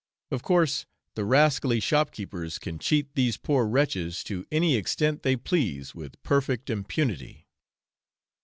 Of course, the rascally shopkeepers can cheat these poor wretches to any extent they please with perfect impunity.